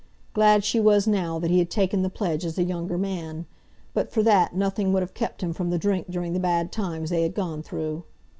Glad she was now that he had taken the pledge as a younger man; but for that nothing would have kept him from the drink during the bad times they had gone through.